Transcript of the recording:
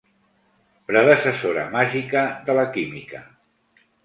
Predecessora màgica de la química.